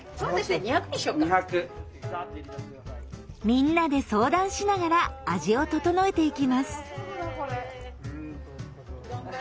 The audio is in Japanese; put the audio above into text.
みんなで相談しながら味を調えていきます。